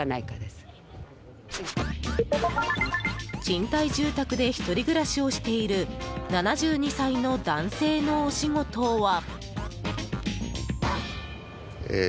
賃貸住宅で１人暮らしをしている７２歳の男性のお仕事は？